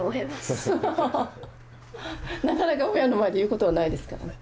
なかなか親の前で言うことはないですからね。